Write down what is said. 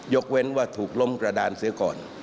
เว้นว่าถูกล้มกระดานเสียก่อน